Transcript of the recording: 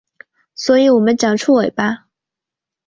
所以我们长出尾巴